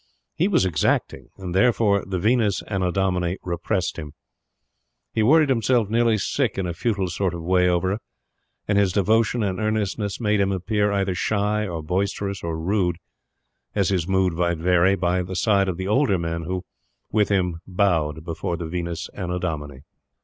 He was exacting, and, therefore, the Venus Annodomini repressed him. He worried himself nearly sick in a futile sort of way over her; and his devotion and earnestness made him appear either shy or boisterous or rude, as his mood might vary, by the side of the older men who, with him, bowed before the Venus Annodomini.